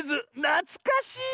なつかしい。